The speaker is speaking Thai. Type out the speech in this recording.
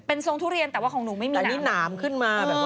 เป็นทุเรียนแต่ว่าของหนูไม่มีหนามขึ้นมา